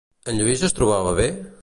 En Lluís es trobava bé?